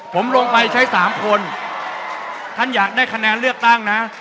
ผมลงไปใช้สามคนท่านอยากได้คะแนนเลือกตั้งนะ